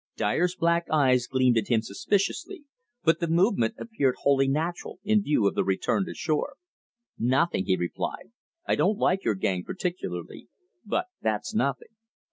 Dyer's black eyes gleamed at him suspiciously, but the movement appeared wholly natural in view of the return to shore. "Nothing," he replied. "I didn't like your gang particularly, but that's nothing."